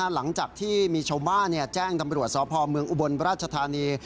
หลังจากที่มีชาวบ้านแจ้งตำรวจสพเมืองอุบลราชธานี